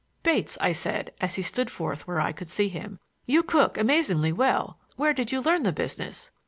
"Bates," I said, as he stood forth where I could see him, "you cook amazingly well. Where did you learn the business?"